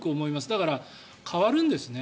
だから、変わるんですね。